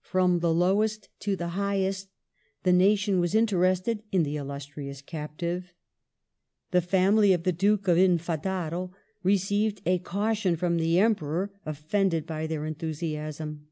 From the lowest to the highest, the nation was interested in the illustrious captive. The family of the Duke of Infantado received a caution from the Emperor, offended by their enthusiasm.